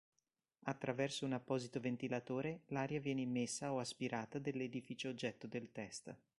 Attraverso un apposito ventilatore l'aria viene immessa o aspirata dell'edificio oggetto del test.